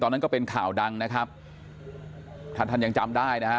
นั้นก็เป็นข่าวดังนะครับถ้าท่านยังจำได้นะฮะ